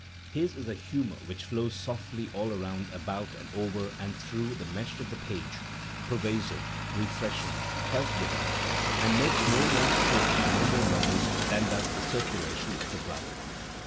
His is a humour which flows softly all around about and over and through the mesh of the page, pervasive, refreshing, health giving, and makes no more show and no more noise than does the circu lation of the blood."